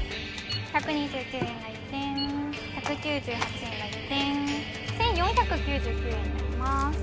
・１２９円が１点１９８円が１点１、４９９円になります。